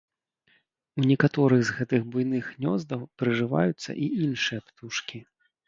У некаторых з гэтых буйных гнёздаў прыжываюцца і іншыя птушкі.